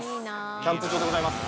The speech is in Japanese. キャンプ場でございます。